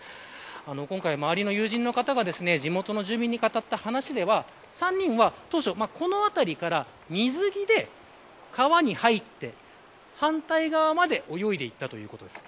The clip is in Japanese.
今回、周りの友人の方が地元の住民に語った話しでは３人は当初、この辺りから水着で川に入って反対側まで泳いでいったということです。